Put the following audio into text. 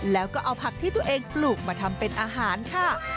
แล้วก็เอาผักที่ตัวเองปลูกมาทำเป็นอาหารค่ะ